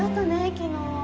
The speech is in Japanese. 昨日。